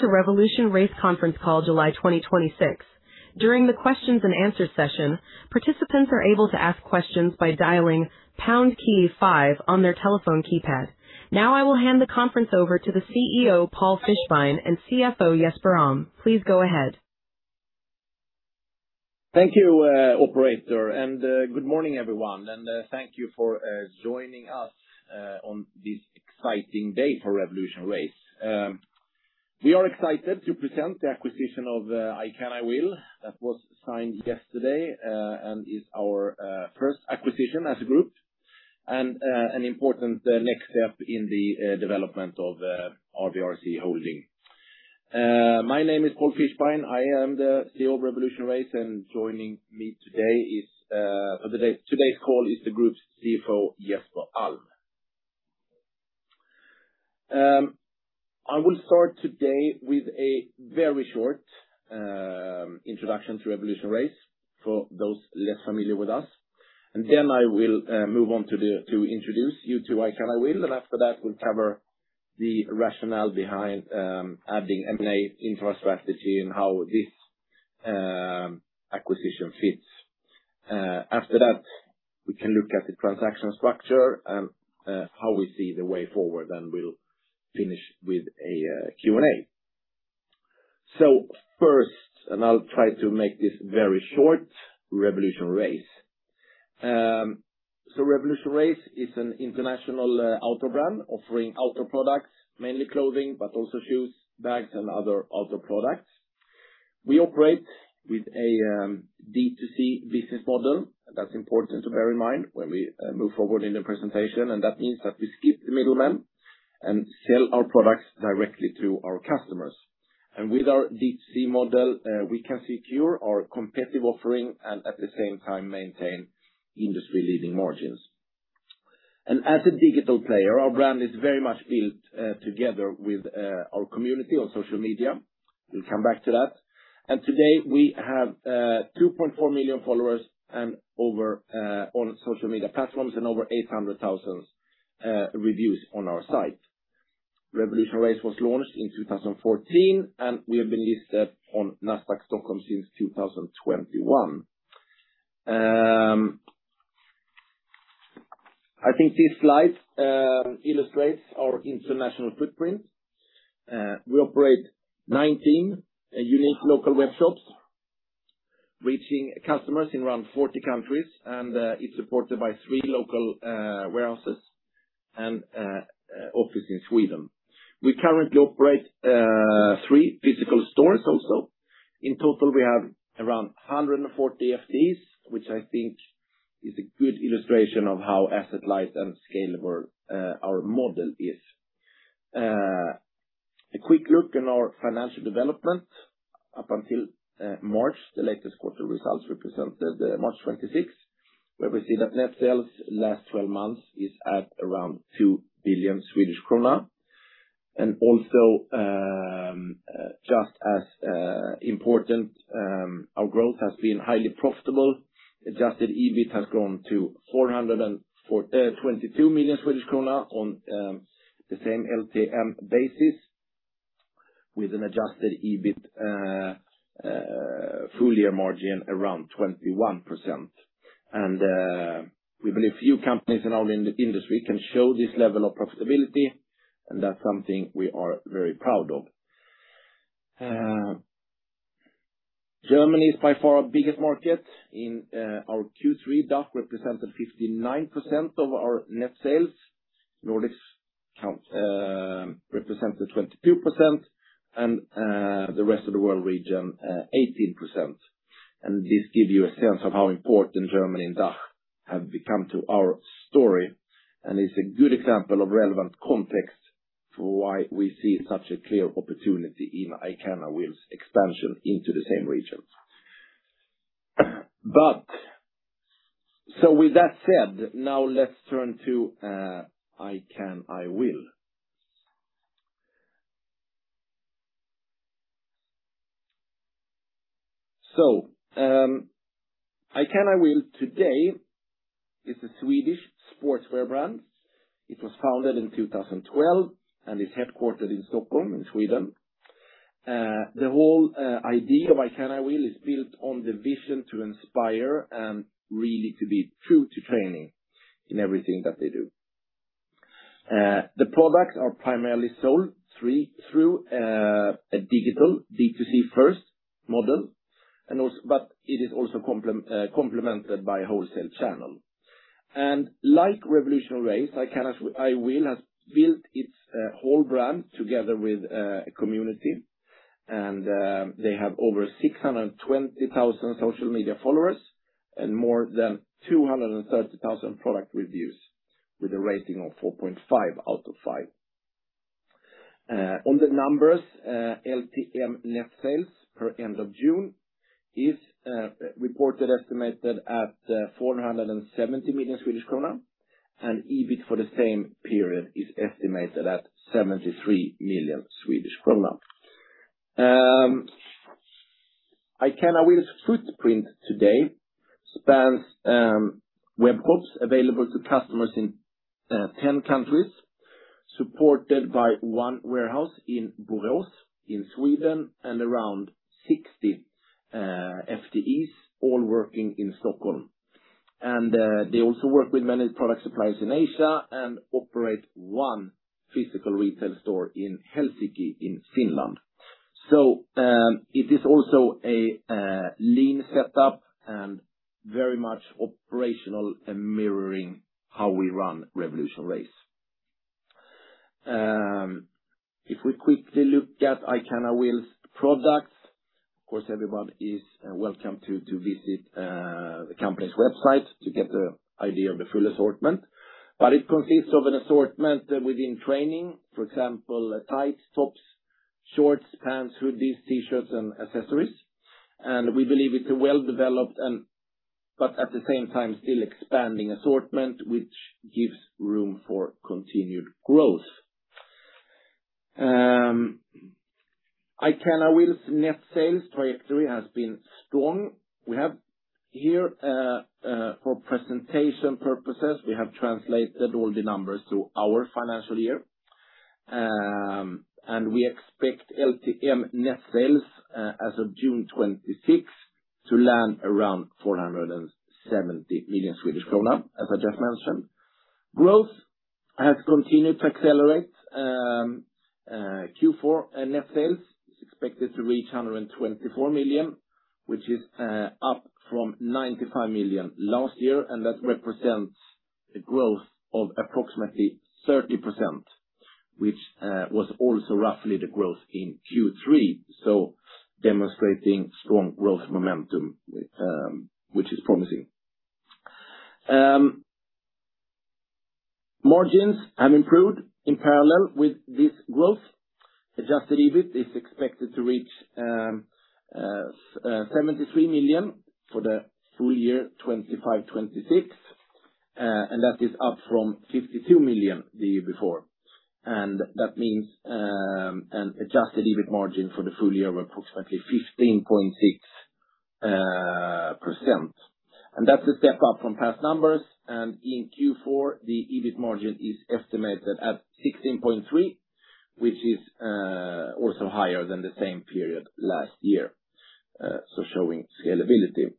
Welcome to RevolutionRace conference call July 2026. During the questions-and-answer session, participants are able to ask questions by dialing pound key five on their telephone keypad. Now I will hand the conference over to the CEO, Paul Fischbein and CFO Jesper Alm. Please go ahead. Thank you, operator. Good morning, everyone, and thank you for joining us on this exciting day for RevolutionRace. We are excited to present the acquisition of ICANIWILL that was signed yesterday, and is our first acquisition as a group and an important next step in the development of RVRC Holding. My name is Paul Fischbein. I am the CEO of RevolutionRace, and joining me today's call is the group's CFO, Jesper Alm. I will start today with a very short introduction to RevolutionRace for those less familiar with us. Then I will move on to introduce you to ICANIWILL, and after that we'll cover the rationale behind adding M&A into our strategy and how this acquisition fits. After that, we can look at the transaction structure and how we see the way forward, and we'll finish with a Q&A. First, I'll try to make this very short. RevolutionRace. RevolutionRace is an international outdoor brand offering outdoor products, mainly clothing, but also shoes, bags, and other outdoor products. We operate with a D2C business model. That's important to bear in mind when we move forward in the presentation, and that means that we skip the middleman and sell our products directly to our customers. With our D2C model, we can secure our competitive offering and at the same time maintain industry-leading margins. As a digital player, our brand is very much built together with our community on social media. We'll come back to that. Today we have 2.4 million followers on social media platforms and over 800,000 reviews on our site. RevolutionRace was launched in 2014, and we have been listed on Nasdaq Stockholm since 2021. I think this slide illustrates our international footprint. We operate 19 unique local web shops reaching customers in around 40 countries, and it's supported by three local warehouses and office in Sweden. We currently operate three physical stores also. In total, we have around 140 FTEs, which I think is a good illustration of how asset light and scalable our model is. A quick look on our financial development up until March, the latest quarter results represented March 26th, where we see that net sales last 12 months is at around 2 billion Swedish krona. Also, just as important, our growth has been highly profitable. Adjusted EBIT has grown to 422 million Swedish krona on the same LTM basis with an adjusted EBIT full year margin around 21%. We believe few companies in our industry can show this level of profitability, and that's something we are very proud of. Germany is by far our biggest market. In our Q3, DACH represented 59% of our net sales. Nordics represented 22% and the rest of the world region, 18%. This gives you a sense of how important Germany and DACH have become to our story. It's a good example of relevant context for why we see such a clear opportunity in ICANIWILL's expansion into the same region. With that said, now let's turn to ICANIWILL. ICANIWILL today is a Swedish sportswear brand. It was founded in 2012 and is headquartered in Stockholm in Sweden. The whole idea of ICANIWILL is built on the vision to inspire and really to be true to training in everything that they do. The products are primarily sold through a digital D2C first model but it is also complemented by wholesale channel. Like RevolutionRace, ICANIWILL has built its whole brand together with a community and they have over 620,000 social media followers and more than 230,000 product reviews with a rating of four point five out of five. On the numbers, LTM net sales per end of June is reported estimated at 470 million Swedish krona and EBIT for the same period is estimated at 73 million Swedish krona. ICANIWILL's footprint today spans web shops available to customers in 10 countries, supported by one warehouse in Borås in Sweden, and around 60 FTEs, all working in Stockholm. They also work with many product suppliers in Asia and operate one physical retail store in Helsinki in Finland. It is also a lean setup and very much operational and mirroring how we run RevolutionRace. If we quickly look at ICANIWILL's products, of course, everyone is welcome to visit the company's website to get the idea of the full assortment. It consists of an assortment within training, for example, tights, tops, shorts, pants, hoodies, T-shirts, and accessories. We believe it's a well-developed, but at the same time still expanding assortment, which gives room for continued growth. ICANIWILL's net sales trajectory has been strong. We have here for presentation purposes, we have translated all the numbers to our financial year. We expect LTM net sales as of June 26 to land around 470 million Swedish kronor, as I just mentioned. Growth has continued to accelerate. Q4 net sales is expected to reach 124 million, which is up from 95 million last year, and that represents a growth of approximately 30%, which was also roughly the growth in Q3, demonstrating strong growth momentum, which is promising. Margins have improved in parallel with this growth. Adjusted EBIT is expected to reach 73 million for the full year 2025-2026, and that is up from 52 million the year before. That means an adjusted EBIT margin for the full year of approximately 15.6%. That's a step up from past numbers, and in Q4, the EBIT margin is estimated at 16.3%, which is also higher than the same period last year, showing scalability.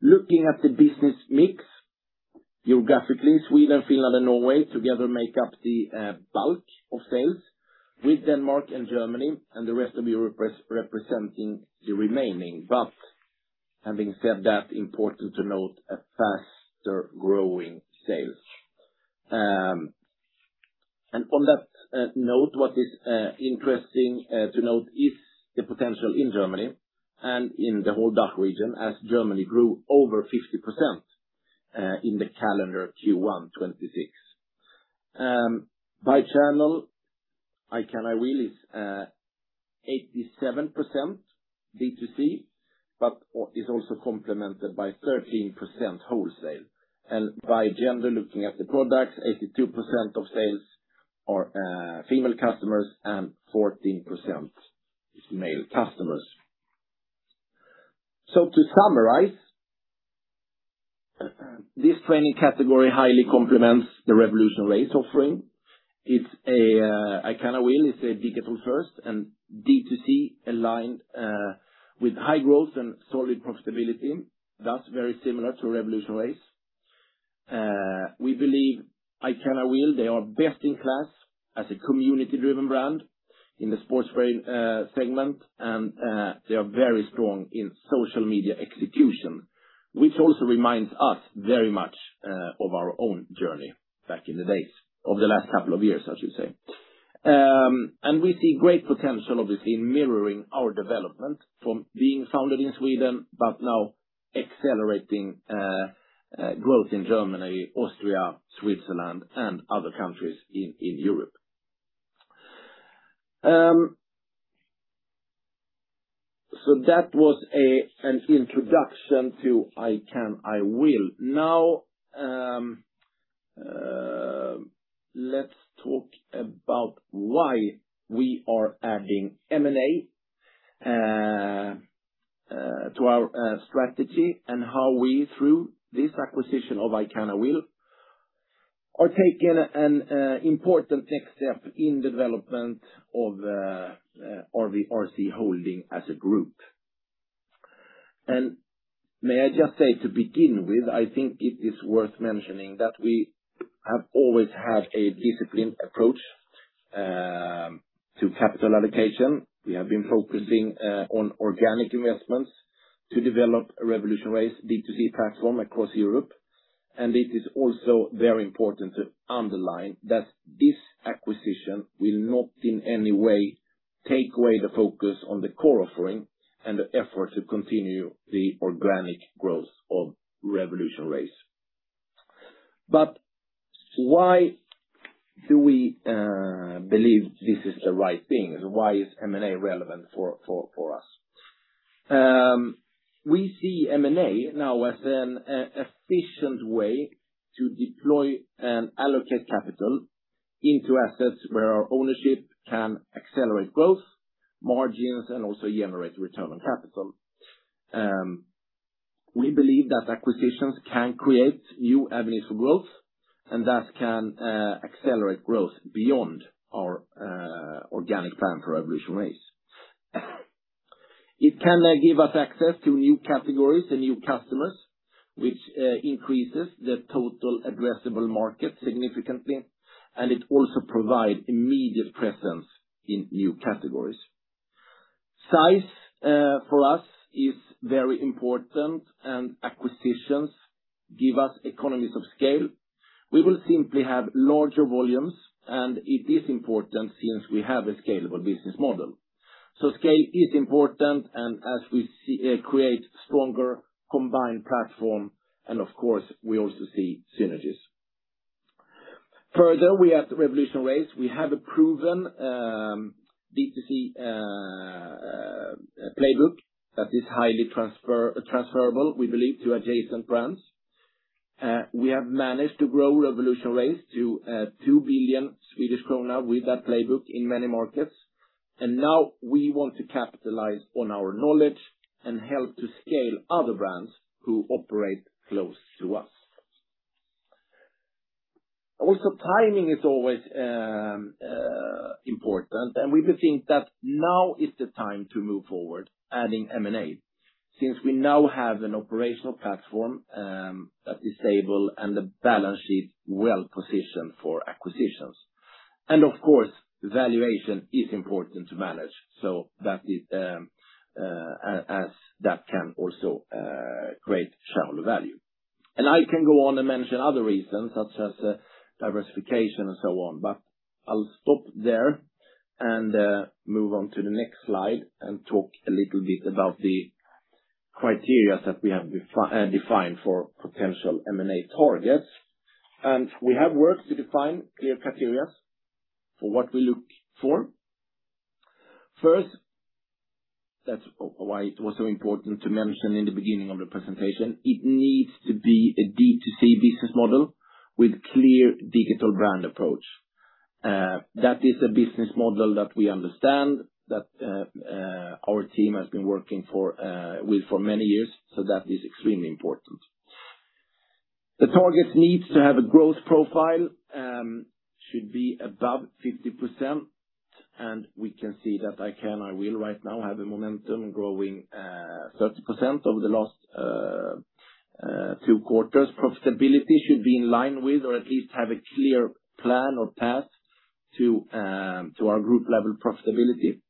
Looking at the business mix geographically, Sweden, Finland, and Norway together make up the bulk of sales, with Denmark and Germany and the rest of Europe representing the remaining. Important to note, a faster-growing sales. On that note, what is interesting to note is the potential in Germany and in the whole DACH region as Germany grew over 50% in the calendar Q1 2026. By channel, ICANIWILL is 87% B2C, but is also complemented by 13% wholesale. By gender, looking at the products, 82% of sales are female customers and 14% is male customers. To summarize, this training category highly complements the RevolutionRace offering. ICANIWILL is a digital-first and D2C aligned with high growth and solid profitability, thus very similar to RevolutionRace. We believe ICANIWILL, they are best in class as a community-driven brand in the sportswear segment, they are very strong in social media execution, which also reminds us very much of our own journey back in the days, of the last couple of years, I should say. We see great potential, obviously, in mirroring our development from being founded in Sweden, but now accelerating growth in Germany, Austria, Switzerland, and other countries in Europe. That was an introduction to ICANIWILL. Let's talk about why we are adding M&A to our strategy and how we, through this acquisition of ICANIWILL, are taking an important next step in development of RVRC Holding as a group. May I just say to begin with, I think it is worth mentioning that we have always had a disciplined approach to capital allocation. We have been focusing on organic investments to develop RevolutionRace B2C platform across Europe, it is also very important to underline that this acquisition will not in any way take away the focus on the core offering and the effort to continue the organic growth of RevolutionRace. Why do we believe this is the right thing? Why is M&A relevant for us? We see M&A now as an efficient way to deploy and allocate capital into assets where our ownership can accelerate growth, margins, and also generate return on capital. We believe that acquisitions can create new avenues for growth, that can accelerate growth beyond our organic plan for RevolutionRace. It can give us access to new categories and new customers, which increases the total addressable market significantly, it also provide immediate presence in new categories. Size for us is very important, acquisitions give us economies of scale. We will simply have larger volumes, it is important since we have a scalable business model. Scale is important, as we create stronger combined platform, of course, we also see synergies. Further, we at RevolutionRace, we have a proven B2C playbook that is highly transferable, we believe, to adjacent brands. We have managed to grow RevolutionRace to 2 billion Swedish krona with that playbook in many markets. Now we want to capitalize on our knowledge and help to scale other brands who operate close to us. Timing is always important, we do think that now is the time to move forward adding M&A, since we now have an operational platform that is stable and the balance sheet well-positioned for acquisitions. Of course, valuation is important to manage. That can also create shareholder value. I can go on and mention other reasons such as diversification and so on, but I'll stop there and move on to the next slide and talk a little bit about the criteria that we have defined for potential M&A targets. We have worked to define clear criteria for what we look for. First, that's why it was so important to mention in the beginning of the presentation, it needs to be a D2C business model with clear digital brand approach. That is a business model that we understand, that our team has been working with for many years, that is extremely important. The target needs to have a growth profile, should be above 50%, and we can see that ICANIWILL right now have a momentum growing 30% over the last two quarters. Profitability should be in line with or at least have a clear plan or path to our group-level profitability.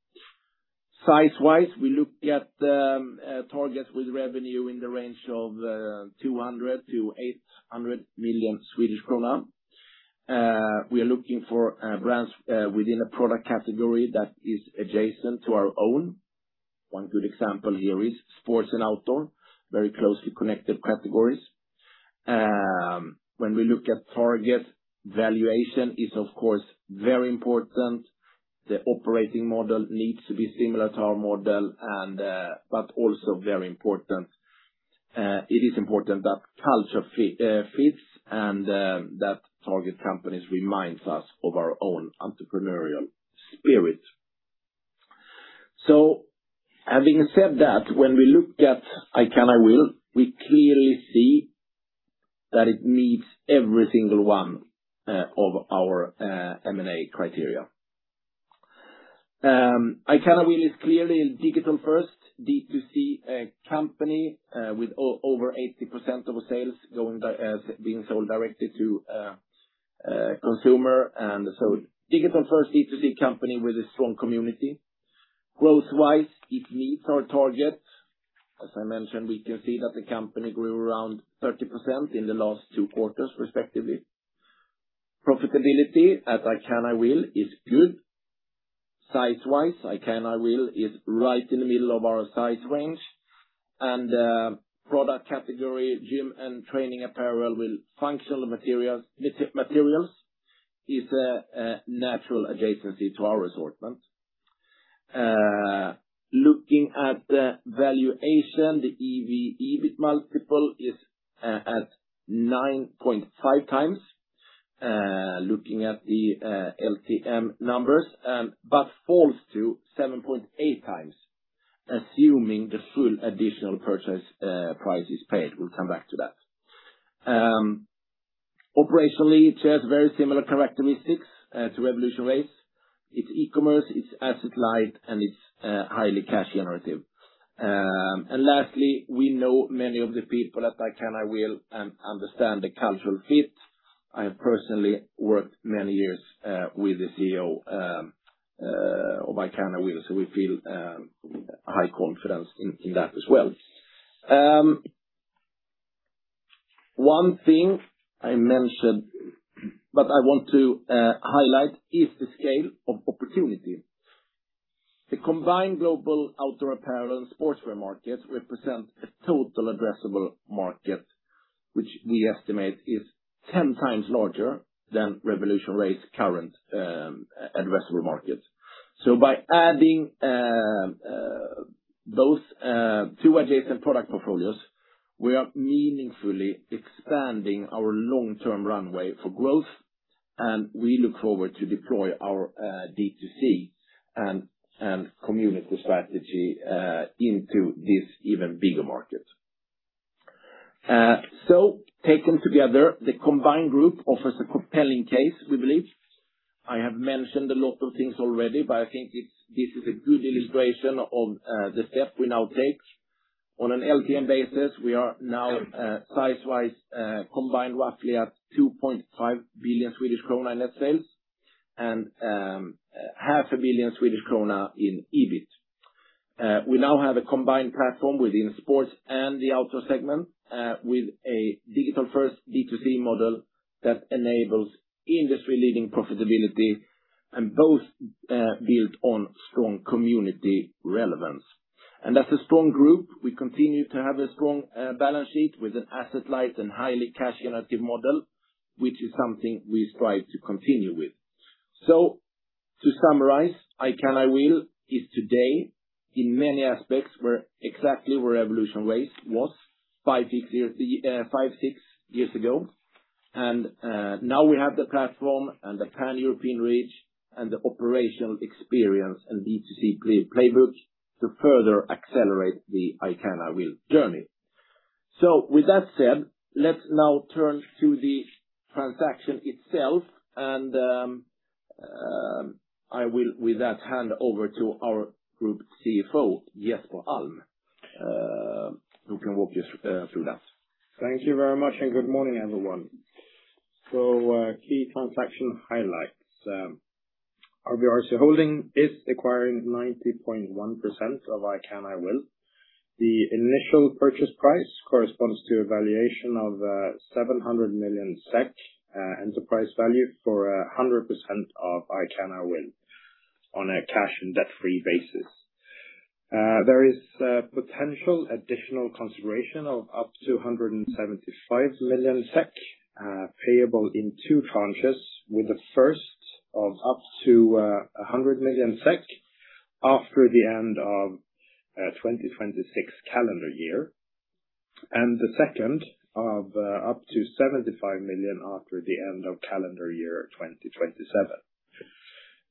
Size-wise, we look at targets with revenue in the range of 200 million-800 million Swedish krona. We are looking for brands within a product category that is adjacent to our own. One good example here is sports and outdoor, very closely connected categories. When we look at target, valuation is, of course, very important. The operating model needs to be similar to our model, but also very important. It is important that culture fits and that target companies reminds us of our own entrepreneurial spirit. Having said that, when we look at ICANIWILL, we clearly see that it meets every single one of our M&A criteria. ICANIWILL is clearly a digital-first D2C company with over 80% of sales being sold directly to consumer, a digital-first D2C company with a strong community. Growth-wise, it meets our target. As I mentioned, we can see that the company grew around 30% in the last two quarters, respectively. Profitability at ICANIWILL is good. Size-wise, ICANIWILL is right in the middle of our size range. Product category, gym and training apparel with functional materials is a natural adjacency to our assortment. Looking at the valuation, the EV/EBIT multiple is at 9.5x, looking at the LTM numbers, but falls to 7.8x, assuming the full additional purchase price is paid. We'll come back to that. Operationally, it shares very similar characteristics to RevolutionRace. It's e-commerce, it's asset-light, it's highly cash generative. Lastly, we know many of the people at ICANIWILL and understand the cultural fit. I have personally worked many years with the CEO of ICANIWILL, we feel high confidence in that as well. One thing I mentioned, but I want to highlight, is the scale of opportunity. The combined global outdoor apparel and sportswear market represents a total addressable market which we estimate is 10x larger than RevolutionRace current addressable market. By adding those two adjacent product portfolios, we are meaningfully expanding our long-term runway for growth, we look forward to deploy our D2C and community strategy into this even bigger market. Taken together, the combined group offers a compelling case, we believe. I have mentioned a lot of things already, but I think this is a good illustration of the step we now take. On an LTM basis, we are now size-wise combined roughly at 2.5 billion Swedish krona in net sales and 500 million Swedish krona in EBIT. We now have a combined platform within sports and the outdoor segment with a digital-first D2C model that enables industry-leading profitability and both built on strong community relevance. As a strong group, we continue to have a strong balance sheet with an asset-light and highly cash generative model, which is something we strive to continue with. To summarize, ICANIWILL is today in many aspects where exactly where RevolutionRace was five, six years ago. Now we have the platform and the pan-European reach and the operational experience and D2C playbooks to further accelerate the ICANIWILL journey. With that said, let's now turn to the transaction itself and I will with that hand over to our group CFO, Jesper Alm, who can walk you through that. Thank you very much, and good morning, everyone. Key transaction highlights. RVRC Holding is acquiring 90.1% of ICANIWILL. The initial purchase price corresponds to a valuation of 700 million SEK enterprise value for 100% of ICANIWILL on a cash and debt-free basis. There is a potential additional consideration of up to 175 million SEK, payable in two tranches, with the first of up to 100 million SEK after the end of 2026 calendar year, and the second of up to 75 million after the end of calendar year 2027.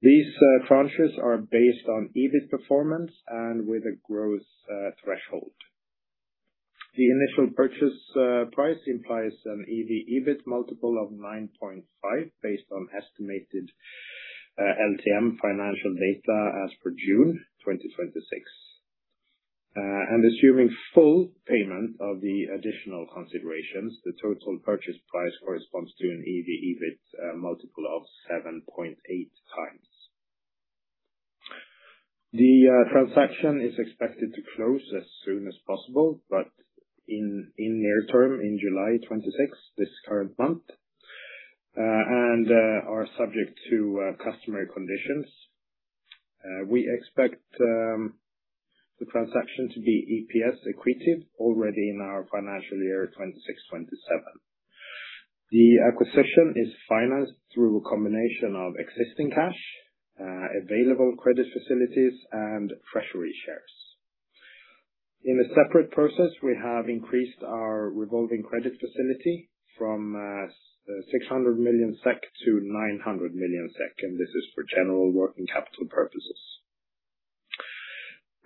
These tranches are based on EBIT performance and with a growth threshold. The initial purchase price implies an EV/EBIT multiple of 9.5x based on estimated LTM financial data as per June 2026. Assuming full payment of the additional considerations, the total purchase price corresponds to an EV/EBIT multiple of 7.8x. The transaction is expected to close as soon as possible, but in near term, in July 26, this current month, are subject to customary conditions. We expect the transaction to be EPS accretive already in our financial year 2026-2027. The acquisition is financed through a combination of existing cash, available credit facilities, and treasury shares. In a separate process, we have increased our revolving credit facility from 600 million-900 million SEK, this is for general working capital purposes.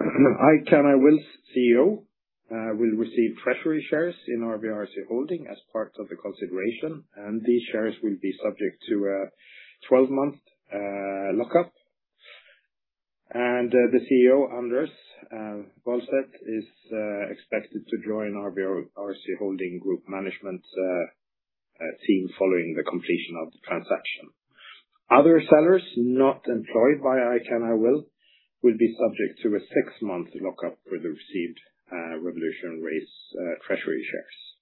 ICANIWILL's CEO will receive treasury shares in RVRC Holding as part of the consideration, and these shares will be subject to a 12-month lock-up. The CEO, Anders Wallstedt, is expected to join RVRC Holding group management team following the completion of the transaction. Other sellers not employed by ICANIWILL will be subject to a six-month lock-up with the received RevolutionRace treasury shares.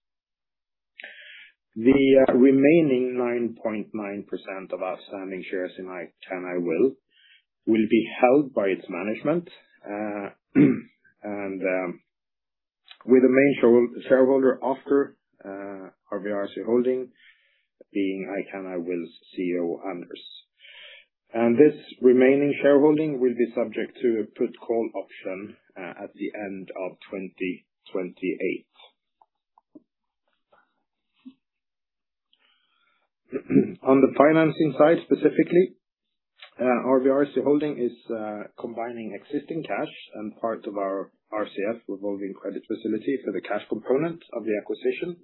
The remaining 9.9% of outstanding shares in ICANIWILL will be held by its management, with the main shareholder after RVRC Holding being ICANIWILL's CEO, Anders. This remaining shareholding will be subject to a put call option at the end of 2028. On the financing side, specifically, RVRC Holding is combining existing cash and part of our RCF, revolving credit facility for the cash component of the acquisition.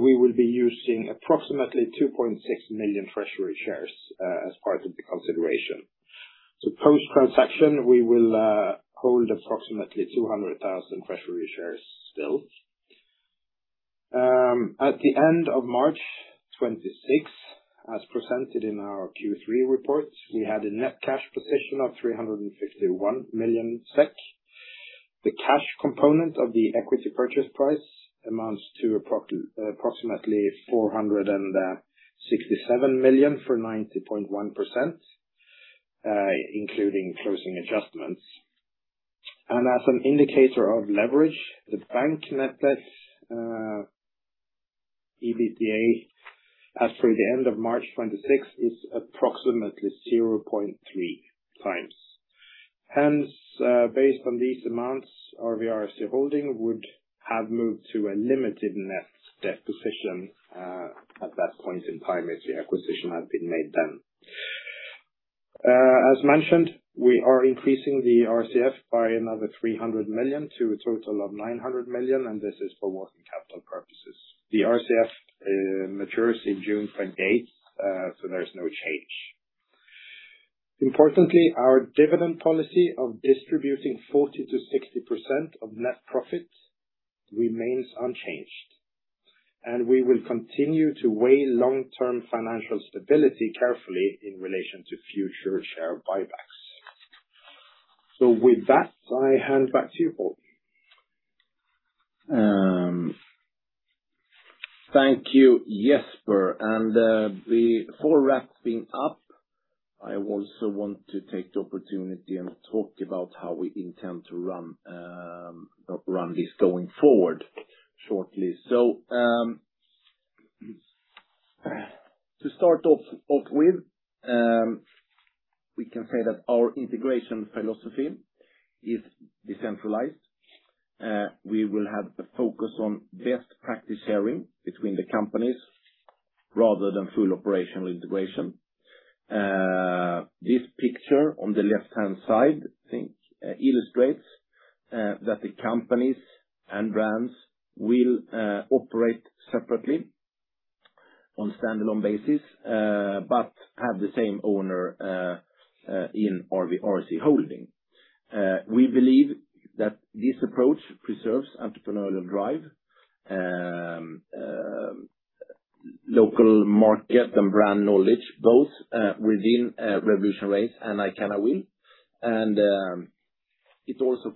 We will be using approximately 2.6 million treasury shares as part of the consideration. Post-transaction, we will hold approximately 200,000 treasury shares still. At the end of March 26, as presented in our Q3 report, we had a net cash position of 361 million SEK. The cash component of the equity purchase price amounts to approximately 467 million for 90.1%, including closing adjustments. As an indicator of leverage, the bank net debt, EBITDA, as for the end of March 26th, is approximately 0.3x. Hence, based on these amounts, RVRC Holding would have moved to a limited net debt position at that point had the acquisition been made then. As mentioned, we are increasing the RCF by another 300 million to a total of 900 million, and this is for working capital purposes. The RCF matures in June 28th, so there's no change. Importantly, our dividend policy of distributing 40%-60% of net profits remains unchanged, and we will continue to weigh long-term financial stability carefully in relation to future share buybacks. With that, I hand back to you, Paul. Thank you, Jesper. Before wrapping up, I also want to take the opportunity and talk about how we intend to run this going forward shortly. To start off with, we can say that our integration philosophy is decentralized. We will have a focus on best practice sharing between the companies rather than full operational integration. This picture on the left-hand side, I think, illustrates that the companies and brands will operate separately on a standalone basis, but have the same owner in RVRC Holding. We believe that this approach preserves entrepreneurial drive, local market and brand knowledge, both within RevolutionRace and ICANIWILL, and it also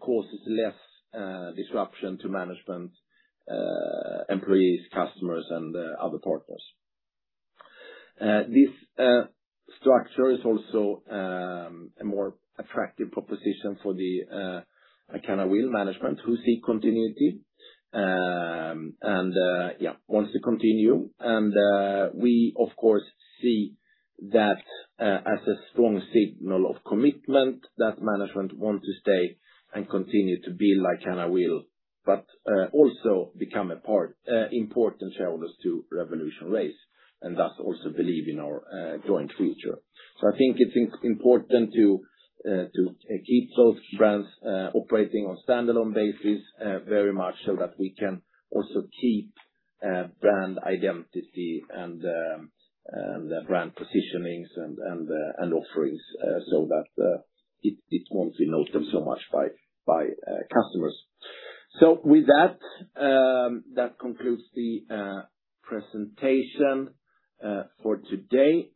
causes less disruption to management, employees, customers, and other partners. This structure is also a more attractive proposition for the ICANIWILL management who see continuity and wants to continue. We of course see that as a strong signal of commitment that management want to stay and continue to build ICANIWILL, but also become important shareholders to RevolutionRace, and thus also believe in our joint future. I think it's important to keep those brands operating on standalone basis very much so that we can also keep brand identity and the brand positionings and offerings so that it won't be noted so much by customers. With that concludes the presentation for today.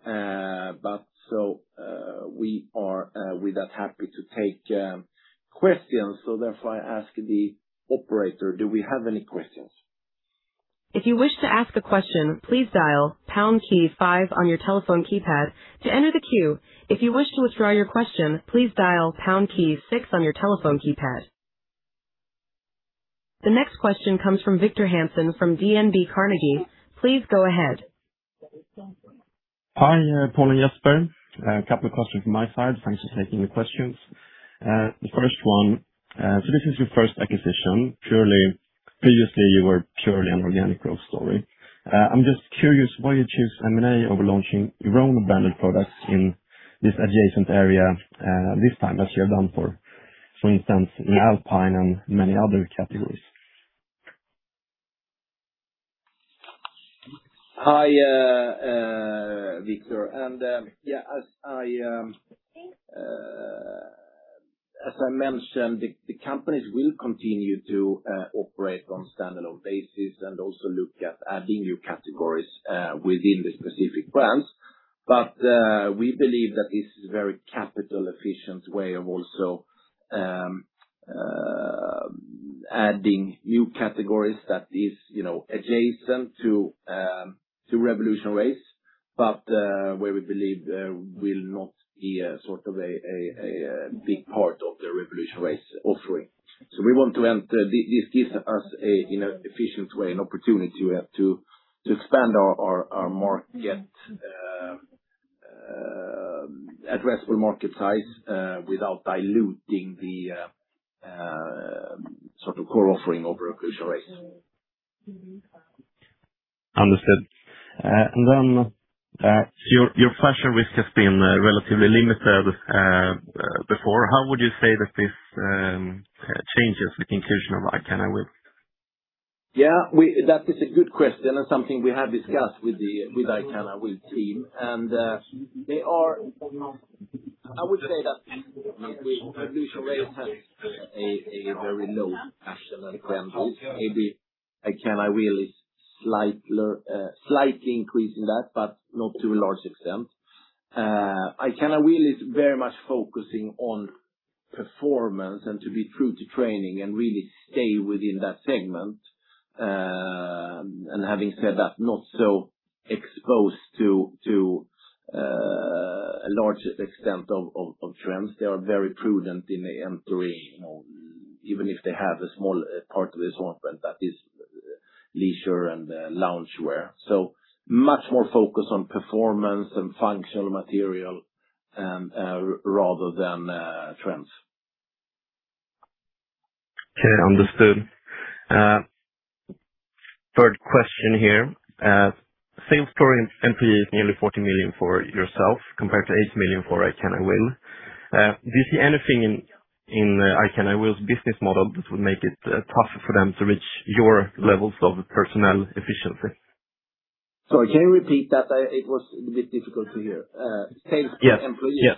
With that, happy to take questions, so therefore I ask the operator, do we have any questions? If you wish to ask a question, please dial pound key five on your telephone keypad to enter the queue. If you wish to withdraw your question, please dial pound key six on your telephone keypad. The next question comes from Victor Hansen from DNB Carnegie. Please go ahead. Hi, Paul and Jesper. A couple of questions from my side. Thanks for taking the questions. The first one. This is your first acquisition. Previously you were purely an organic growth story. I am just curious why you chose M&A over launching your own branded products in this adjacent area this time, as you have done for instance, in Alpine and many other categories. Hi, Victor. As I mentioned, the companies will continue to operate on standalone basis and also look at adding new categories within the specific brands. We believe that this is a very capital efficient way of also adding new categories that is adjacent to RevolutionRace, but where we believe there will not be a big part of the RevolutionRace offering. This gives us an efficient way, an opportunity to expand our addressable market size without diluting the core offering of RevolutionRace. Understood. Your fashion risk has been relatively limited before. How would you say that this changes with the inclusion of ICANIWILL? That is a good question and something we have discussed with the ICANIWILL team. I would say that RevolutionRace has a very low fashion risk than this. Maybe ICANIWILL is slightly increasing that, but not to a large extent. ICANIWILL is very much focusing on performance and to be true to training and really stay within that segment. Having said that, not so exposed to a large extent of trends. They are very prudent in the entry, even if they have a small part of the assortment that is leisure and loungewear. Much more focus on performance and functional material, rather than trends. Okay, understood. Third question here. Sales per employee is nearly 40 million for yourself compared to 8 million for ICANIWILL. Do you see anything in ICANIWILL's business model that would make it tougher for them to reach your levels of personnel efficiency? Sorry, can you repeat that? It was a bit difficult to hear. Sales per employee.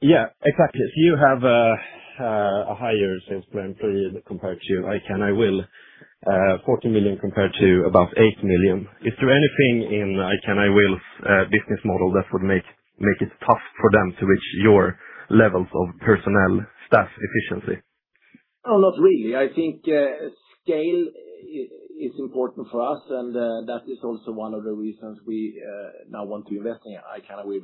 Yes. Exactly. You have a higher sales per employee compared to ICANIWILL, 40 million compared to about 8 million. Is there anything in ICANIWILL's business model that would make it tough for them to reach your levels of personnel staff efficiency? No, not really. I think scale is important for us, and that is also one of the reasons we now want to invest in ICANIWILL.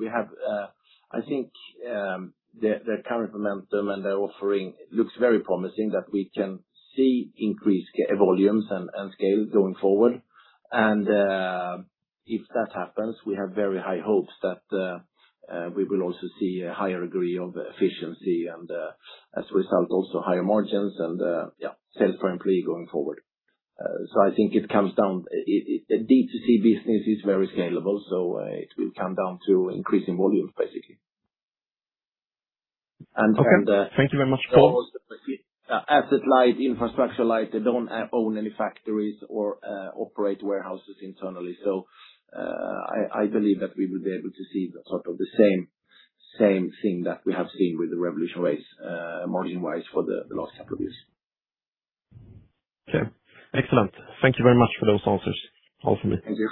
Their current momentum and their offering looks very promising that we can see increased volumes and scale going forward. If that happens, we have very high hopes that we will also see a higher degree of efficiency and, as a result, also higher margins and sales per employee going forward. I think it comes down D2C business is very scalable, so it will come down to increasing volumes, basically. Okay. Thank you very much, Paul. Asset light, infrastructure light, they don't own any factories or operate warehouses internally. I believe that we will be able to see the same thing that we have seen with the RevolutionRace margin-wise for the last couple of years. Okay. Excellent. Thank you very much for those answers. All for me. Thank you.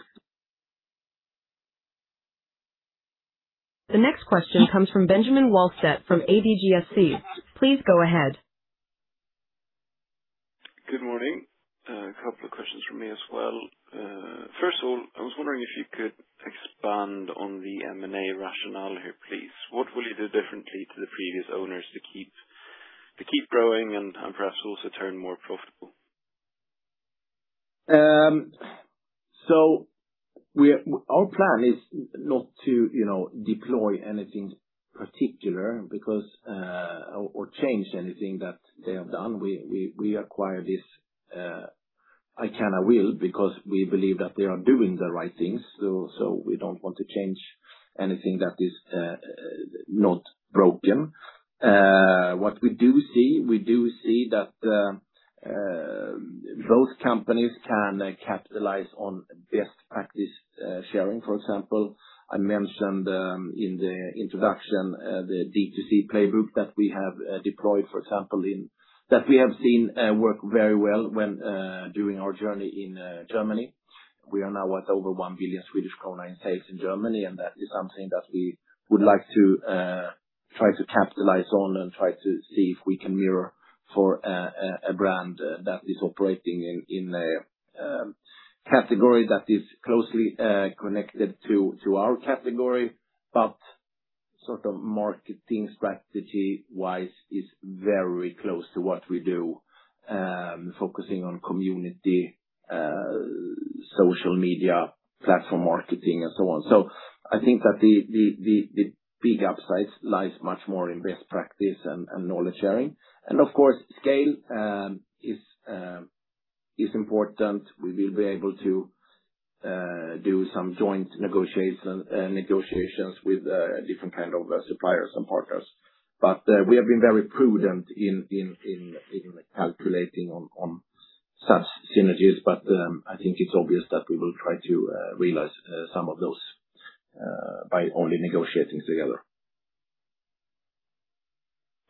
The next question comes from Benjamin Wahlstedt from ABG SC. Please go ahead. Good morning. A couple of questions from me as well. First of all, I was wondering if you could expand on the M&A rationale here, please. What will you do differently to the previous owners to keep growing and perhaps also turn more profitable? Our plan is not to deploy anything particular or change anything that they have done. We acquired ICANIWILL because we believe that they are doing the right things. We don't want to change anything that is not broken. What we do see, we do see that both companies can capitalize on best practice sharing. For example, I mentioned in the introduction, the D2C playbook that we have deployed, for example, that we have seen work very well during our journey in Germany. We are now at over 1 billion Swedish krona in sales in Germany, that is something that we would like to try to capitalize on and try to see if we can mirror for a brand that is operating in a category that is closely connected to our category, but marketing strategy-wise is very close to what we do, focusing on community, social media, platform marketing, and so on. I think that the big upside lies much more in best practice and knowledge sharing. Of course, scale is important. We will be able to do some joint negotiations with different kind of suppliers and partners. We have been very prudent in calculating on such synergies. I think it's obvious that we will try to realize some of those, by only negotiating together.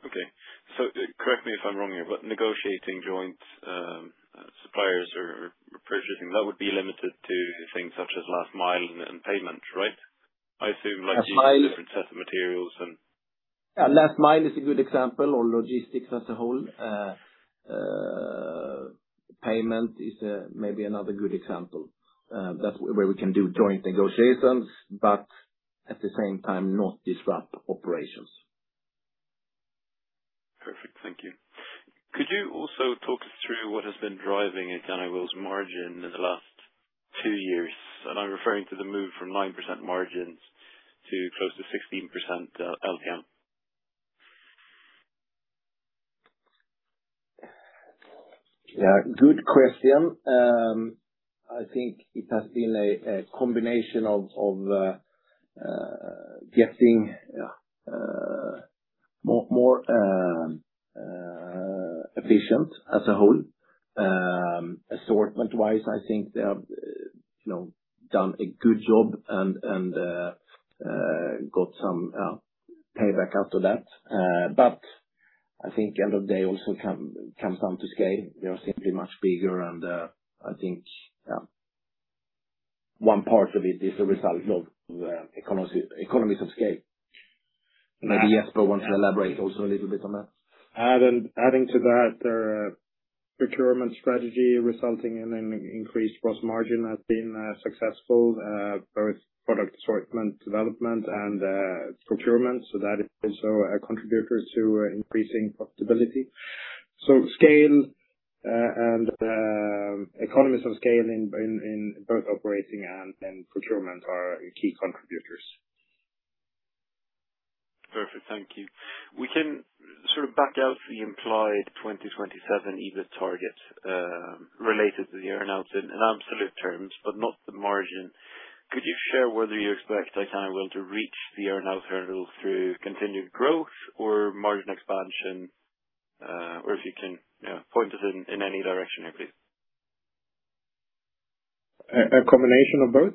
Okay. Correct me if I'm wrong here, but negotiating joint suppliers or purchasing, that would be limited to things such as last mile and payment, right?- Last mile- ...like using different sets of materials. Last mile is a good example, or logistics as a whole. Payment is maybe another good example, where we can do joint negotiations, at the same time not disrupt operations. Perfect. Thank you. Could you also talk us through what has been driving ICANIWILL's margin in the last two years? I'm referring to the move from 9% margins to close to 16% LTM. Good question. I think it has been a combination of getting more efficient as a whole. Assortment-wise, I think they have done a good job and got some payback out of that. I think end of day also comes down to scale. We are simply much bigger. I think one part of it is a result of economies of scale. Maybe Jesper wants to elaborate also a little bit on that. Adding to that, their procurement strategy resulting in an increased gross margin has been successful, both product assortment development and procurement. That is also a contributor to increasing profitability. Scale and economies of scale in both operating and procurement are key contributors. Perfect. Thank you. We can sort of back out the implied 2027 EBIT target related to the earn-out in absolute terms, but not the margin. Could you share whether you expect ICANIWILL to reach the earn-out hurdles through continued growth or margin expansion? If you can point us in any direction here, please. A combination of both.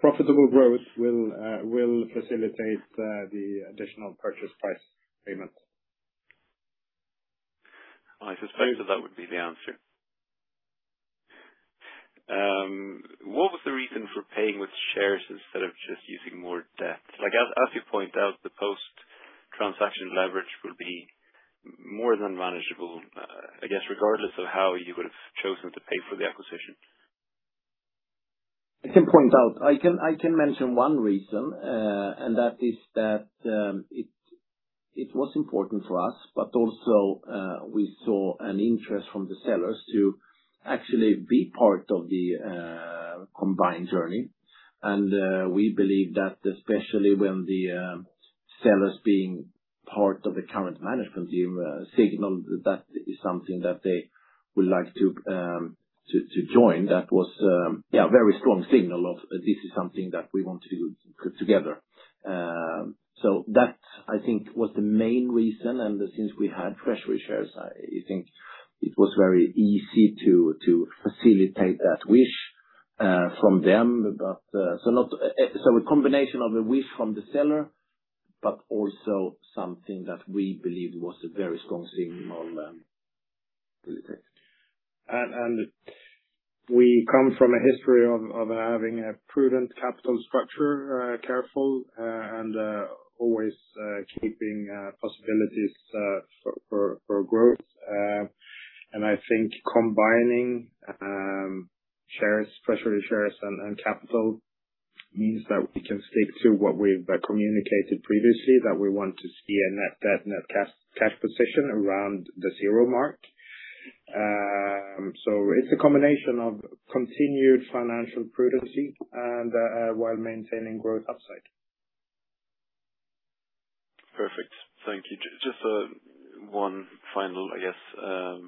Profitable growth will facilitate the additional purchase price payment. I suppose that that would be the answer. What was the reason for paying with shares instead of just using more debt? As you point out, the post-transaction leverage will be more than manageable, I guess, regardless of how you would have chosen to pay for the acquisition. I can mention one reason, and that is that it was important for us, but also we saw an interest from the sellers to actually be part of the combined journey. We believe that, especially when the sellers, being part of the current management team, signaled that is something that they would like to join, that was a very strong signal of, this is something that we want to do together. That, I think, was the main reason. Since we had treasury shares, I think it was very easy to facilitate that wish from them. A combination of a wish from the seller, but also something that we believe was a very strong signal. We come from a history of having a prudent capital structure, careful and always keeping possibilities for growth. I think combining treasury shares and capital means that we can stick to what we've communicated previously, that we want to see a net cash position around the zero mark. It's a combination of continued financial prudency and while maintaining growth upside. Perfect. Thank you. Just one final, I guess,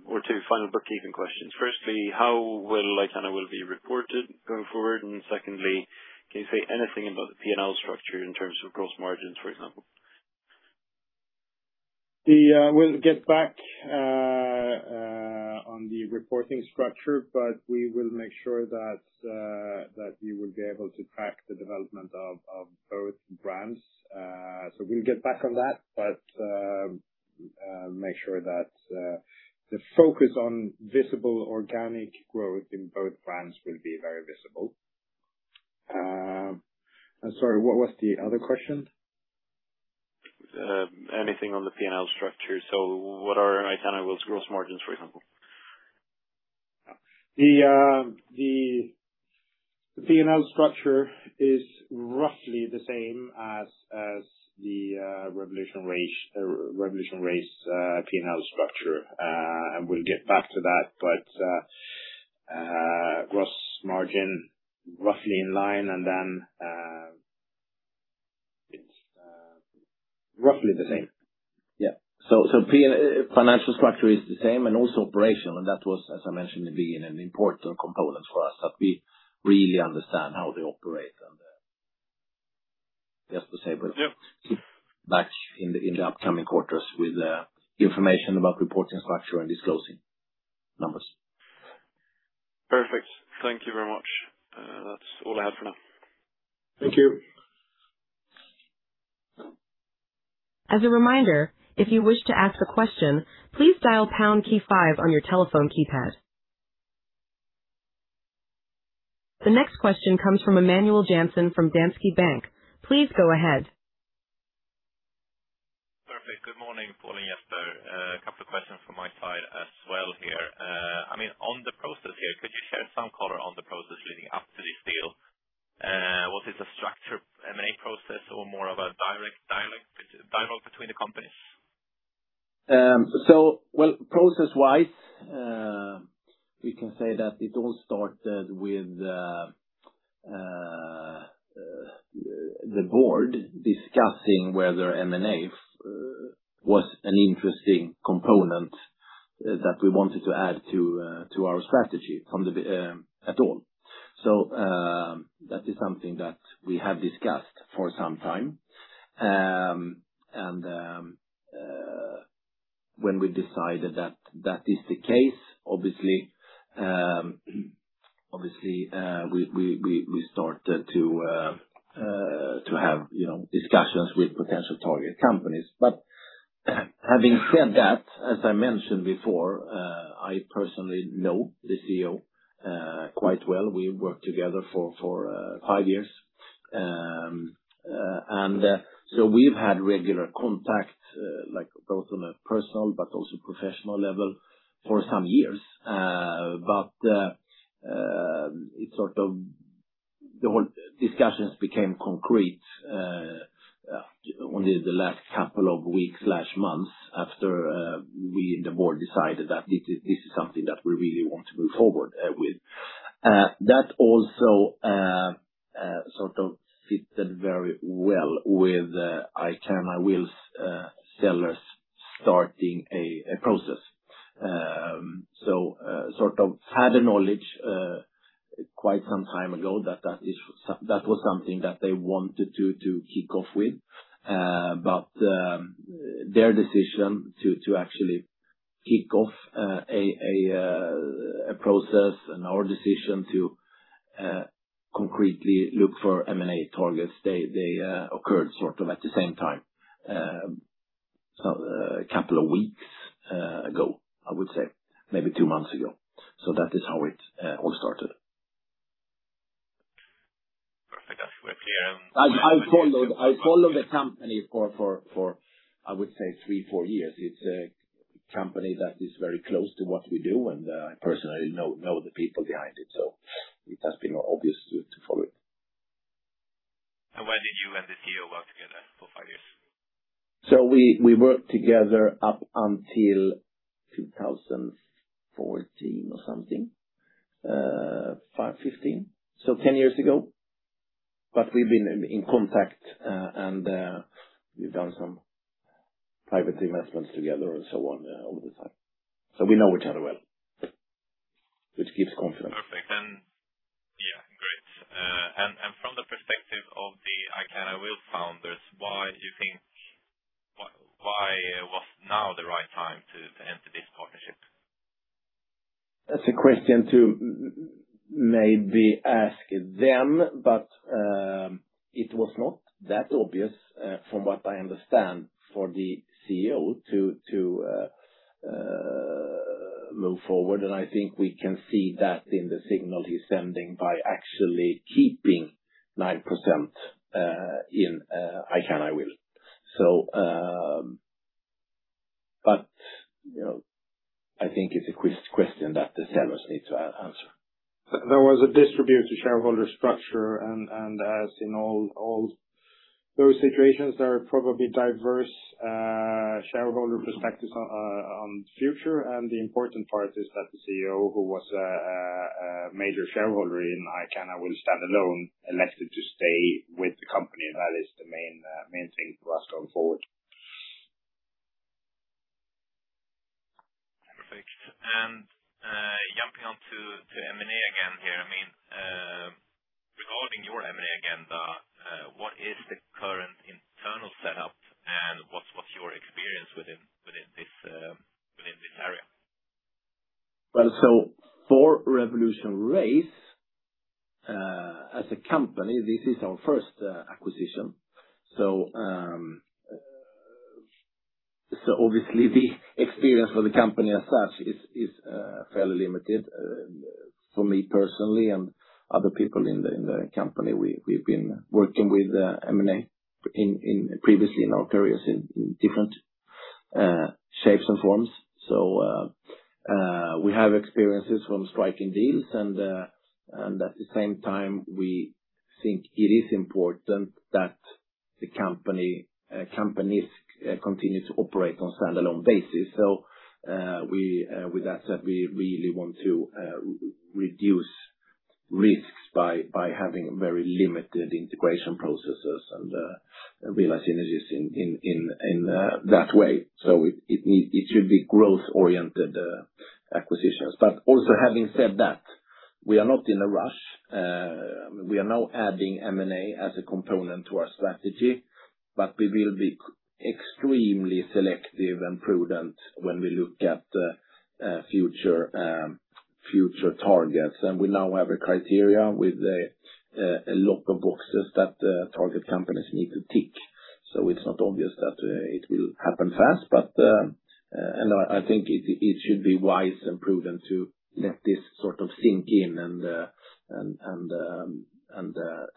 or two final bookkeeping questions. Firstly, how will ICANIWILL be reported going forward? Secondly, can you say anything about the P&L structure in terms of gross margins, for example? We'll get back on the reporting structure, we will make sure that you will be able to track the development of both brands. We'll get back on that, but make sure that the focus on visible organic growth in both brands will be very visible. I'm sorry, what was the other question? Anything on the P&L structure. What are ICANIWILL's gross margins, for example? The P&L structure is roughly the same as the RevolutionRace P&L structure. We'll get back to that, but gross margin, roughly in line, and then it's roughly the same. Yeah. Financial structure is the same and also operational. That was, as I mentioned in the beginning, an important component for us, that we really understand how they operate and Jesper said we'll get back in the upcoming quarters with information about reporting structure and disclosing numbers. Perfect. Thank you very much. That's all I have for now. Thank you. As a reminder, if you wish to ask a question, please dial pound key five on your telephone keypad. The next question comes from Emanuel Jansson from Danske Bank. Please go ahead. Perfect. Good morning, Paul and Jesper. A couple of questions from my side as well here. On the process here, could you share some color on the process leading up to this deal? Was it a structured M&A process or more of a direct dialogue between the companies? Well, process-wise, we can say that it all started with the board discussing whether M&A was an interesting component that we wanted to add to our strategy at all. That is something that we have discussed for some time. When we decided that that is the case, obviously we started to have discussions with potential target companies. Having said that, as I mentioned before, I personally know the CEO quite well. We worked together for five years. We've had regular contact both on a personal but also professional level for some years. The whole discussions became concrete only the last couple of weeks/months after the board decided that this is something that we really want to move forward with. That also fitted very well with ICANIWILL's sellers starting a process. Had a knowledge quite some time ago that was something that they wanted to kick off with. Their decision to actually kick off a process and our decision to concretely look for M&A targets occurred at the same time, a couple of weeks ago, I would say. Maybe two months ago. That is how it all started. Perfect. Actually. I followed the company for, I would say three, four years. It's a company that is very close to what we do, and I personally know the people behind it, so it has been obvious to follow it. When did you and the CEO work together for five years? We worked together up until 2014 or something, 2015. 10 years ago. We've been in contact, and we've done some private investments together and so on, over the time. We know each other well, which keeps confidence. Perfect. Yeah, great. From the perspective of the ICANIWILL founders, why was now the right time to enter this partnership? That's a question to maybe ask them, it was not that obvious, from what I understand, for the CEO to move forward. I think we can see that in the signal he's sending by actually keeping 9% in ICANIWILL. I think it's a question that the sellers need to answer. There was a distributed shareholder structure, as in all those situations, there are probably diverse shareholder perspectives on the future. The important part is that the CEO, who was a major shareholder in ICANIWILL standalone, elected to stay with the company, and that is the main thing for us going forward. Perfect. Jumping on to M&A again here. Regarding your M&A agenda, what's the current internal setup, and what's your experience within this area? For RevolutionRace, as a company, this is our first acquisition. Obviously the experience for the company as such is fairly limited. For me personally and other people in the company, we've been working with M&A previously in our careers in different shapes and forms. We have experiences from striking deals and at the same time, we think it is important that the companies continue to operate on a standalone basis. With that said, we really want to reduce risks by having very limited integration processes and realize synergies in that way. It should be growth-oriented acquisitions. Also having said that, we are not in a rush. We are now adding M&A as a component to our strategy, but we will be extremely selective and prudent when we look at future targets. We now have a criteria with a lot of boxes that target companies need to tick. It's not obvious that it will happen fast. I think it should be wise and prudent to let this sort of sink in and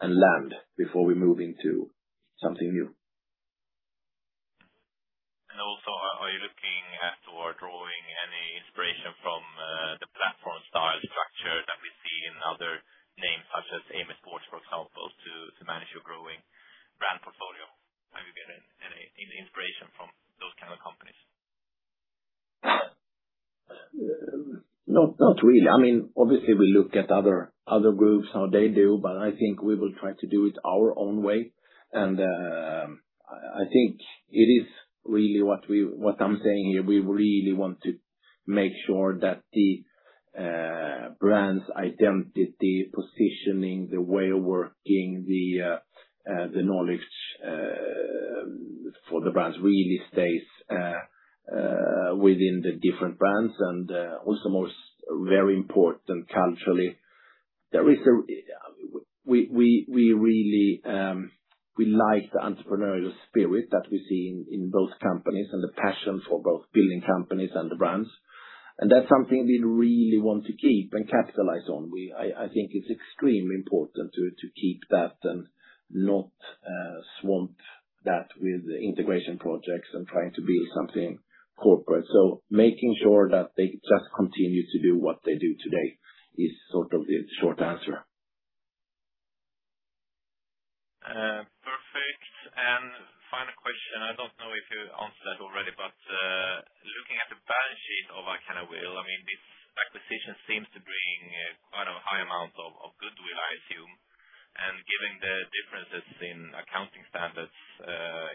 land before we move into something new. Also, are you looking at or drawing any inspiration from the platform style structure that we see in other names such as Amer Sports, for example, to manage your growing brand portfolio? Have you been any inspiration from those kind of companies? Not really. Obviously we look at other groups, how they do, but I think we will try to do it our own way. I think it is really what I'm saying here, we really want to make sure that the brand's identity, positioning, the way of working, the knowledge for the brands really stays within the different brands and also most very important culturally. We like the entrepreneurial spirit that we see in both companies, and the passion for both building companies and the brands. That's something we really want to keep and capitalize on. I think it's extremely important to keep that and not swamp that with integration projects and trying to build something corporate. Making sure that they just continue to do what they do today is sort of the short answer. Perfect. Final question, I don't know if you answered that already, but looking at the balance sheet of ICANIWILL, this acquisition seems to bring quite a high amount of goodwill, I assume. Given the differences in accounting standards,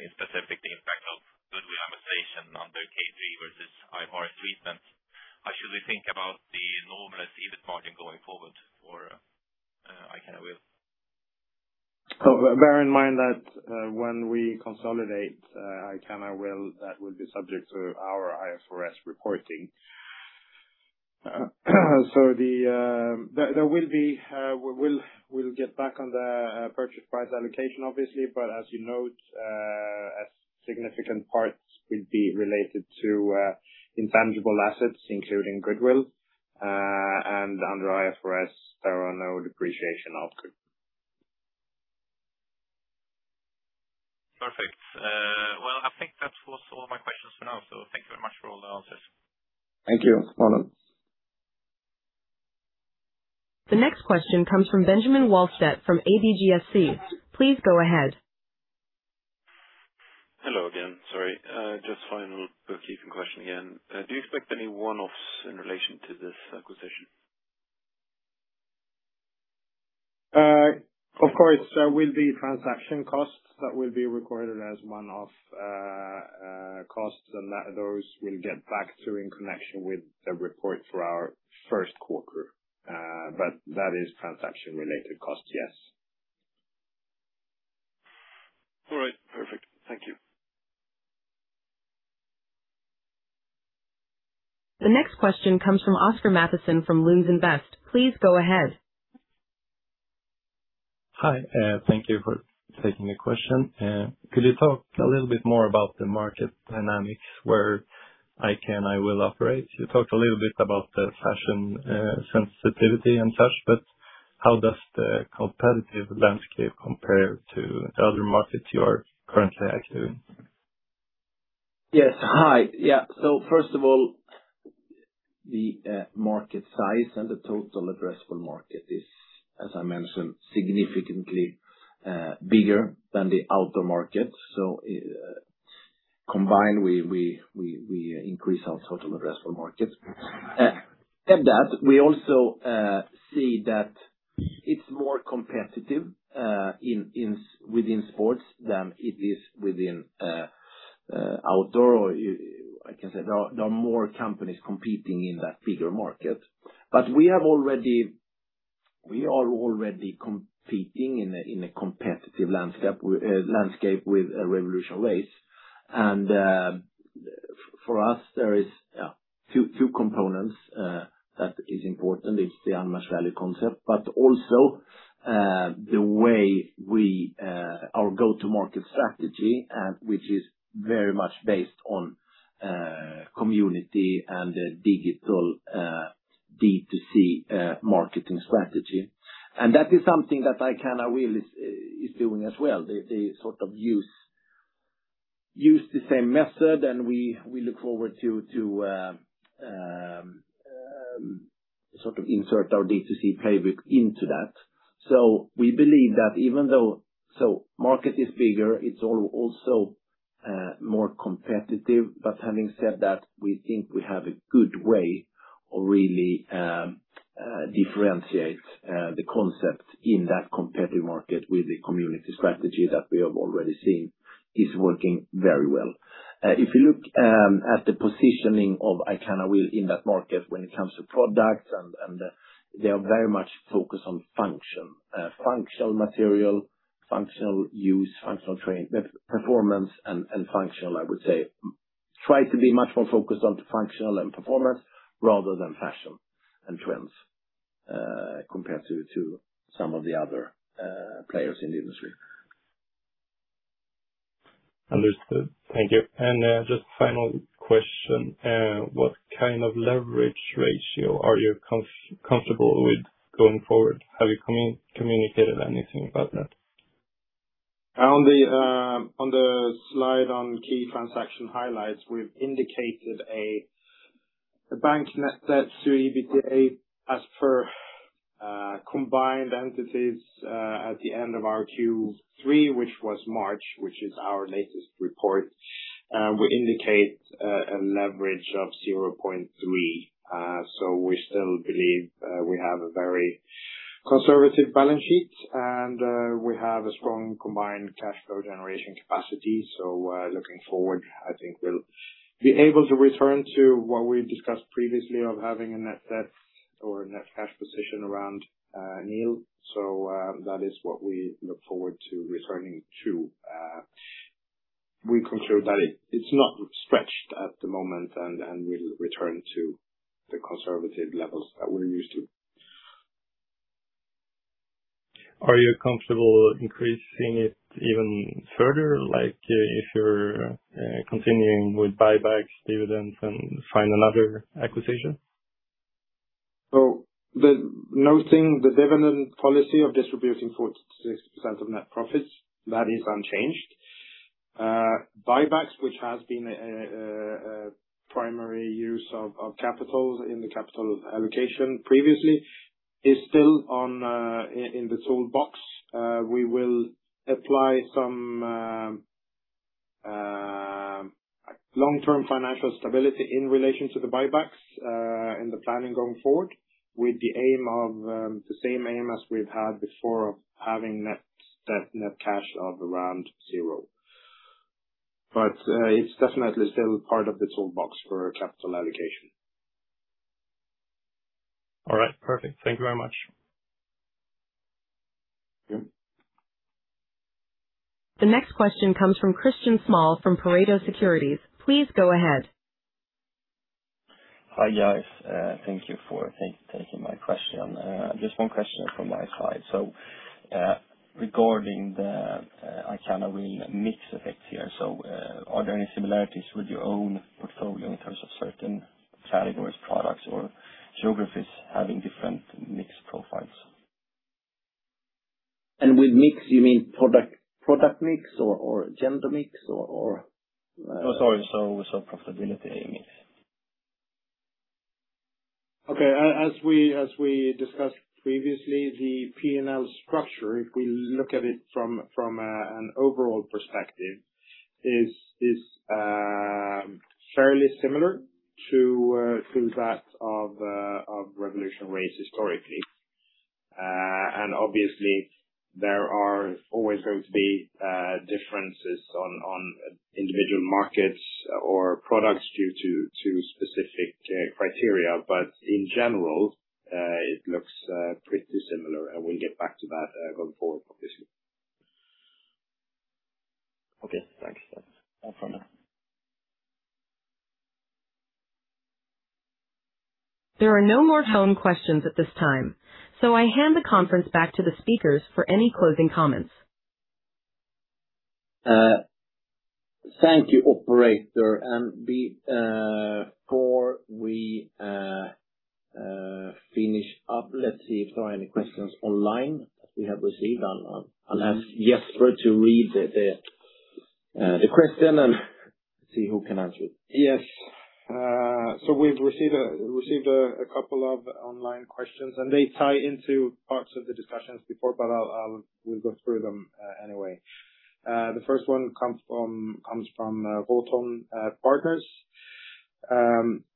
in specific the impact of goodwill amortization under K3 versus IFRS treatment, how should we think about the normalized EBIT margin going forward for ICANIWILL? Bear in mind that when we consolidate ICANIWILL, that will be subject to our IFRS reporting. We'll get back on the purchase price allocation, obviously. As you note, a significant part will be related to intangible assets, including goodwill. Under IFRS, there are no depreciation of goodwill. Perfect. Well, I think that was all my questions for now. Thank you very much for all the answers. Thank you. Welcome. The next question comes from Benjamin Wahlstedt from ABG SC. Please go ahead. Hello again. Sorry. Just final bookkeeping question again. Do you expect any one-offs in relation to this acquisition? There will be transaction costs that will be recorded as one-off costs. Those we'll get back to in connection with the report for our first quarter. That is transaction-related costs, yes. All right. Perfect. Thank you. The next question comes from [Oscar Mattsson] from Lund Invest. Please go ahead. Hi. Thank you for taking the question. Could you talk a little bit more about the market dynamics where ICANIWILL operates? You talked a little bit about the fashion sensitivity and such. How does the competitive landscape compare to other markets you are currently active in? Yes. Hi. Yeah. First of all, the market size and the total addressable market is, as I mentioned, significantly bigger than the outdoor market. Combined, we increase our total addressable market. At that, we also see that it's more competitive within sports than it is within outdoor. I can say there are more companies competing in that bigger market. We are already competing in a competitive landscape with RevolutionRace, and for us, there is two components that is important. It's the unmatched value concept, but also our go-to-market strategy, which is very much based on community and digital D2C marketing strategy. That is something that ICANIWILL is doing as well. They sort of use the same method and we look forward to sort of insert our D2C playbook into that. We believe that even though market is bigger, it's also more competitive. Having said that, we think we have a good way of really differentiate the concept in that competitive market with the community strategy that we have already seen is working very well. If you look at the positioning of ICANIWILL in that market when it comes to products, and they are very much focused on function. Functional material, functional use, functional performance and functional, I would say, try to be much more focused on functional and performance rather than fashion and trends, compared to some of the other players in the industry. Understood. Thank you. Just final question. What kind of leverage ratio are you comfortable with going forward? Have you communicated anything about that? On the slide on key transaction highlights, we've indicated a bank net debt to EBITDA as per combined entities at the end of our Q3, which was March, which is our latest report. We indicate a leverage of 0.3x. We still believe we have a very conservative balance sheet, and we have a strong combined cash flow generation capacity. Looking forward, I think we'll be able to return to what we discussed previously of having a net debt or a net cash position around nil. That is what we look forward to returning to. We conclude that it's not stretched at the moment, and we'll return to the conservative levels that we're used to. Are you comfortable increasing it even further? Like if you're continuing with buybacks, dividends, and find another acquisition? Noting the dividend policy of distributing 46% of net profits, that is unchanged. Buybacks, which has been a primary use of capital in the capital allocation previously, is still in the toolbox. We will apply some long-term financial stability in relation to the buybacks in the planning going forward, with the same aim as we've had before of having net cash of around zero. It's definitely still part of the toolbox for capital allocation. All right. Perfect. Thank you very much. Yeah. The next question comes from [Christian Small] from Pareto Securities. Please go ahead. Hi, guys. Thank you for taking my question. Just one question from my side. Regarding the ICANIWILL mix effect here. Are there any similarities with your own portfolio in terms of certain categories, products, or geographies having different mix profiles? With mix, you mean product mix or gender mix or? Sorry. Profitability mix. Okay. We discussed previously, the P&L structure, if we look at it from an overall perspective, is fairly similar to that of RevolutionRace historically. Obviously, there are always going to be differences on individual markets or products due to specific criteria. In general, it looks pretty similar, and we'll get back to that going forward, obviously. Okay. Thanks. That's all for now. There are no more phone questions at this time. I hand the conference back to the speakers for any closing comments. Thank you, operator. Before we finish up, let's see if there are any questions online that we have received. I'll ask Jesper to read the question and see who can answer. Yes. We've received a couple of online questions, they tie into parts of the discussions before, but we'll go through them anyway. The first one comes from [Holtown Partners].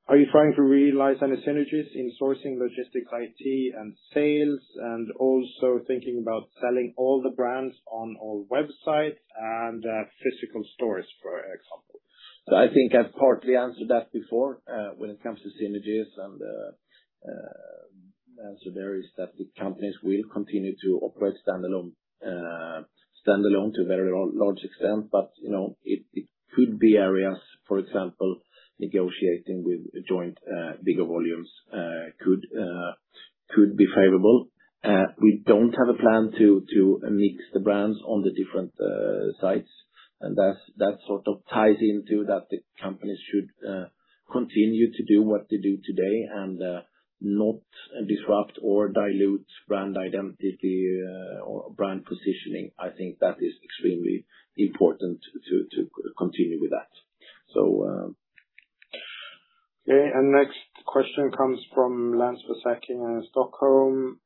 Are you trying to realize any synergies in sourcing logistics, IT, and sales, and also thinking about selling all the brands on all websites and physical stores, for example? I think I've partly answered that before, when it comes to synergies and the answer there is that the companies will continue to operate standalone to a very large extent. But it could be areas, for example, negotiating with joint bigger volumes could be favorable. We don't have a plan to mix the brands on the different sites, that sort of ties into that the companies should continue to do what they do today and not disrupt or dilute brand identity or brand positioning. I think that is extremely important to continue with that. Okay, next question comes from [Lance Vasek] in Stockholm.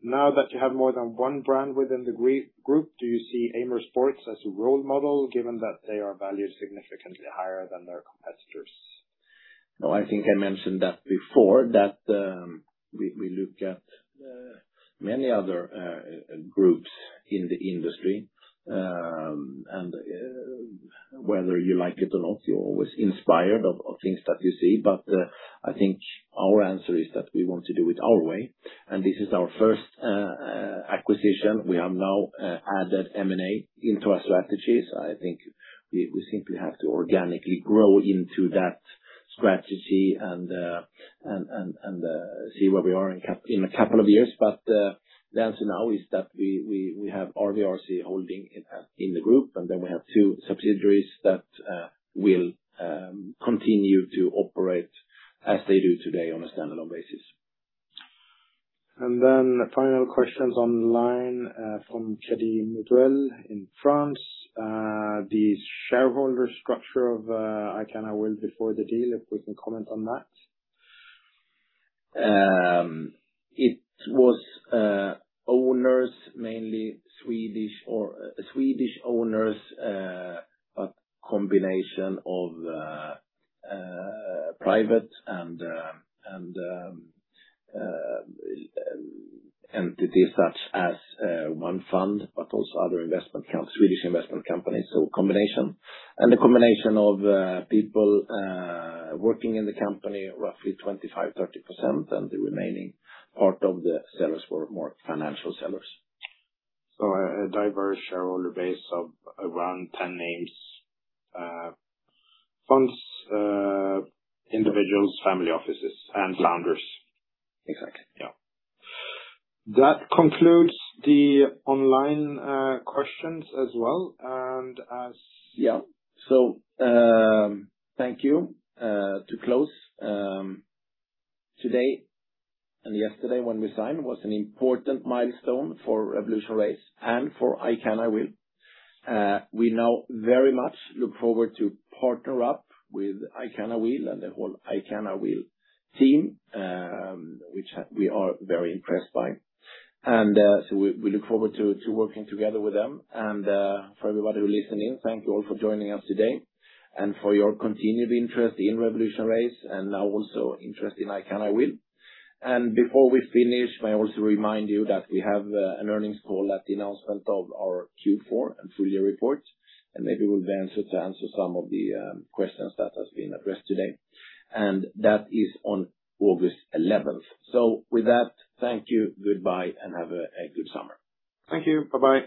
Now that you have more than one brand within the group, do you see Amer Sports as a role model, given that they are valued significantly higher than their competitors? No, I think I mentioned that before, that we look at many other groups in the industry. Whether you like it or not, you're always inspired of things that you see. I think our answer is that we want to do it our way, this is our first acquisition. We have now added M&A into our strategies. I think we simply have to organically grow into that strategy and see where we are in a couple of years. The answer now is that we have RVRC Holding in the group, then we have two subsidiaries that will continue to operate as they do today on a standalone basis. Final questions online from [Cedi Mudwell] in France. The shareholder structure of ICANIWILL before the deal, if we can comment on that. It was owners, mainly Swedish owners, a combination of private and entities such as OneFund, also other Swedish investment companies. A combination. A combination of people working in the company, roughly 25%-30%, the remaining part of the sellers were more financial sellers. A diverse shareholder base of around 10 names. Funds, individuals, family offices, and founders. Exactly. That concludes the online questions as well and as- Thank you. To close, today and yesterday when we signed was an important milestone for RevolutionRace and for ICANIWILL. We now very much look forward to partner up with ICANIWILL and the whole ICANIWILL team, which we are very impressed by. We look forward to working together with them. For everybody who listened in, thank you all for joining us today and for your continued interest in RevolutionRace and now also interest in ICANIWILL. Before we finish, may I also remind you that we have an earnings call at the announcement of our Q4 and full year report, maybe we'll be able to answer some of the questions that have been addressed today. That is on August 11th. With that, thank you, goodbye, and have a good summer. Thank you. Bye-bye.